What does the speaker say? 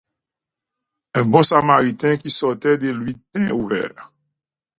Un bon samaritain qui sortait la lui tint ouverte.